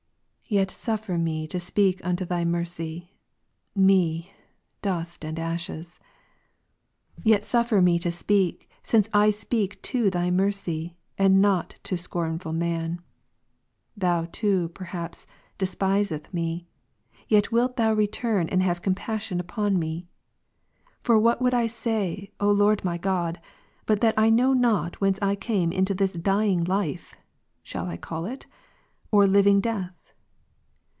Yet suffer meto speak unto Thy mercy, me, f/?«5/ and Gen. 18, ashes. Yet suffer me to speak, since I speak to Thy mercy, and not to scornful man. Thou too, perhaps, despisest me, Jer. 12, yet wilt Thou return and have compassionupon me. For what *^ would 1 say, O Lord my God, but that I know not whence I came into this dying life (shall I call it?) or living death.